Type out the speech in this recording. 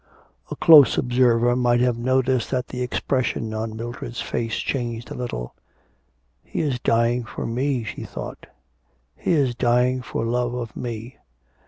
A close observer might have noticed that the expression on Mildred's face changed a little. 'He is dying for me,' she thought. 'He is dying for love of me.'